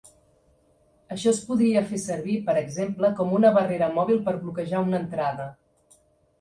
Això es podria fer servir, per exemple, com una barrera mòbil per bloquejar una entrada.